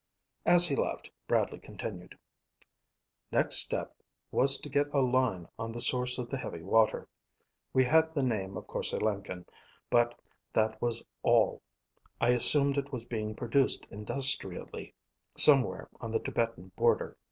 As he left, Bradley continued, "Next step was to get a line on the source of the heavy water. We had the name of Korse Lenken, but that was all. I assumed it was being produced industrially somewhere on the Tibetan border.